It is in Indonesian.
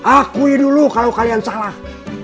akui dulu kalau kalian salah